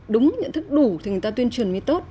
đúng nhận thức đủ thì người ta tuyên truyền mới tốt